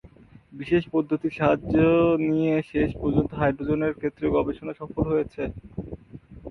বিশেষ পদ্ধতির সাহায্য নিয়ে শেষ পর্যন্ত হাইড্রোজেনের ক্ষেত্রে গবেষণা সফল হয়েছে।